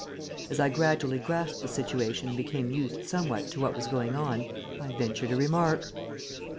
As I gradually grasped the situation and became used, somewhat, to what was going on, I ventured a remark.